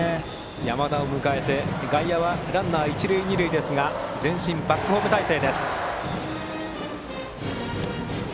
山田を迎えて外野はランナーが一、二塁ですが前進、バックホーム態勢。